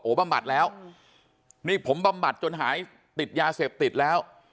บำบัดแล้วนี่ผมบำบัดจนหายติดยาเสพติดแล้ว